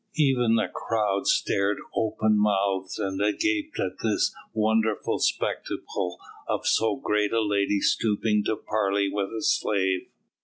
Even the crowd stared open mouthed and agape at this wonderful spectacle of so great a lady stooping to parley with a slave.